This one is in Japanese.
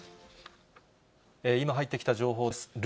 今入ってきた情報です。